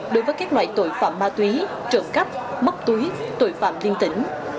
đối với các loại tội phạm ma túy trộm cắp mất túy tội phạm liên tỉnh